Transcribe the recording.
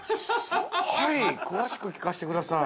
◆はい、詳しく聞かせてください。